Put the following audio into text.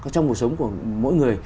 trong cuộc sống của mỗi người